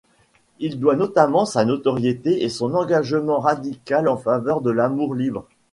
Il doit notamment sa notoriété à son engagement radical en faveur de l'amour libre.